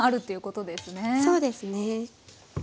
そうですね。